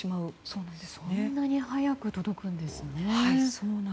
そんなに早く届くんですね。